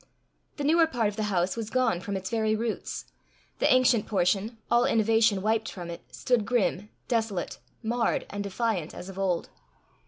The newer part of the house was gone from its very roots; the ancient portion, all innovation wiped from it, stood grim, desolated, marred, and defiant as of old.